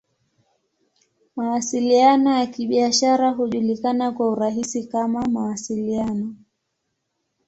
Mawasiliano ya Kibiashara hujulikana kwa urahisi kama "Mawasiliano.